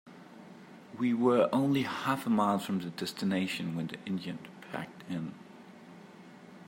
We were only half a mile from the destination when the engine packed in.